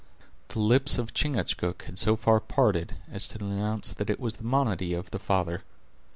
The lips of Chingachgook had so far parted, as to announce that it was the monody of the father.